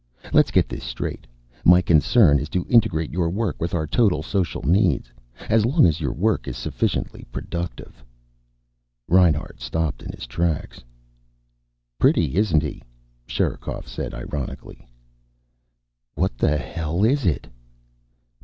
Let's get this straight. My concern is to integrate your work with our total social needs. As long as your work is sufficiently productive " Reinhart stopped in his tracks. "Pretty, isn't he?" Sherikov said ironically. "What the hell is it?